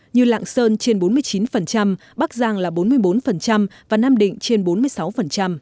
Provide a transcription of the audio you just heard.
như lạng sơn trên bốn mươi chín bắc giang là bốn mươi bốn và nam định trên bốn mươi sáu